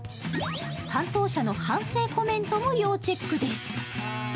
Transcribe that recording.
担当者の反省コメントも要チェックです。